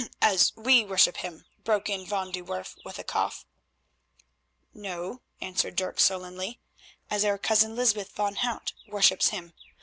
"As we worship Him," broke in Van de Werff with a cough. "No," answered Dirk sullenly, "as our Cousin Lysbeth van Hout worships Him.